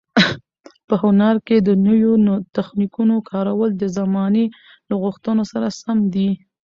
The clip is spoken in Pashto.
په هنر کې د نویو تخنیکونو کارول د زمانې له غوښتنو سره سم دي.